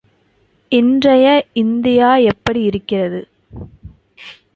இன்றைய இந்தியா எப்படி இருக்கிறது?